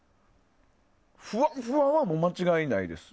ふわふわは、もう間違いないです。